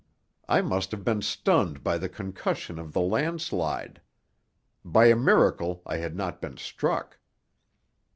I must have been stunned by the concussion of the landslide. By a miracle I had not been struck.